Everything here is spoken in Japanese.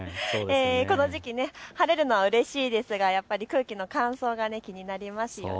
この時期晴れるのはうれしいですがやっぱり空気の乾燥が気になりますよね。